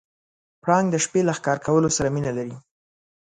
پړانګ د شپې له ښکار کولو سره مینه لري.